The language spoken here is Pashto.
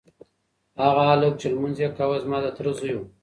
هغه هلک چې لمونځ یې کاوه زما د تره زوی و.